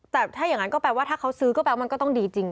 แต่ถ้าอย่างนั้นก็แปลว่าถ้าเขาซื้อก็แปลว่ามันก็ต้องดีจริง